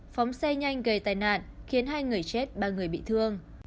phóng xe nhanh gây tai nạn khiến hai người chết ba người bị thương